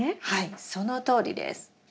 はいそのとおりです。